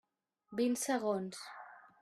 Vint segons.